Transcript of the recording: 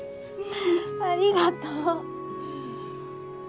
ありがとう！